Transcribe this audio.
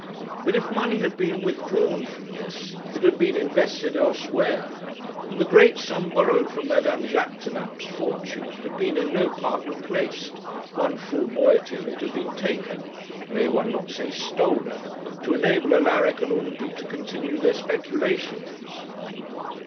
But if money had been withdrawn from this, it had been invested elsewhere, and the great sum borrowed from Madame Jaquêtanàpe's fortune had been in no part replaced one full moiety of it had been taken may one not say stolen? to enable Alaric and Undy to continue their speculations.